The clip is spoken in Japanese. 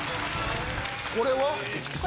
これは？